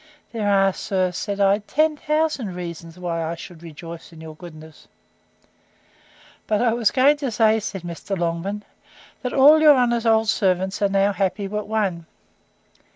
—There are, sir, said I, ten thousand reasons why I should rejoice in your goodness. But I was going to say, said Mr. Longman, That all your honour's old servants are now happy, but one.